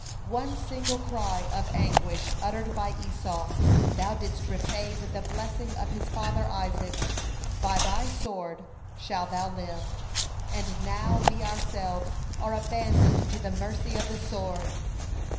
One single cry of anguish uttered by Esau Thou didst repay with the blessing of his father Isaac, 'By thy sword shall thou live,' and now we ourselves are abandoned to the mercy of the sword."